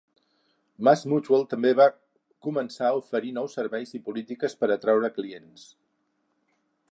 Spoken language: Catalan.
MassMutual també va començar a oferir nous serveis i polítiques per atraure clients.